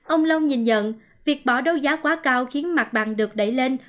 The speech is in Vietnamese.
ông long nhìn nhận việc bỏ đấu giá quá cao khiến mặt bằng được đẩy lên